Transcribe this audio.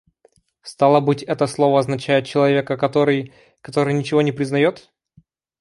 Стало быть, это слово означает человека, который... который ничего не признает?